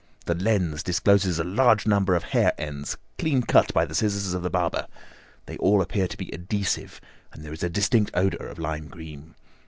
The lens discloses a large number of hair ends, clean cut by the scissors of the barber. They all appear to be adhesive, and there is a distinct odour of lime cream.